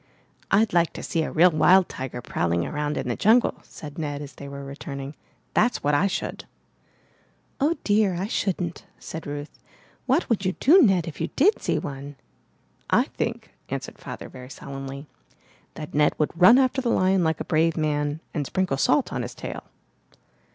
'Td like to see a real wild tiger prowling around in the jungle,'' said Ned as they were returning. ''That's what I should!" ''Oh, dear! I shouldn't," said Ruth. "What would you do, Ned, if you did see one?" "I think," answered Father very solemnly, "that Ned would run after the lion like a brave man and sprinkle salt on his tail!"